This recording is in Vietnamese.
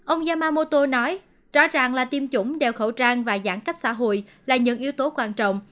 ông yamamoto nói rõ ràng là tiêm chủng đeo khẩu trang và giãn cách xã hội là những yếu tố quan trọng